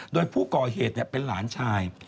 โดยผู้ก่อเหตุเป็นหลานชาย